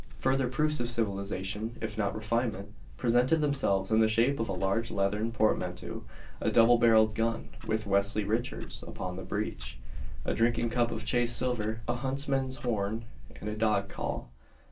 Further proofs of civilisation, if not refinement, presented themselves in the shape of a large leathern portmanteau, a double barrelled gun, with "Westley Richards" upon the breech; a drinking cup of chased silver, a huntsman's horn, and a dog call.